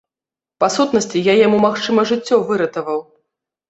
Па сутнасці, я яму, магчыма, жыццё выратаваў.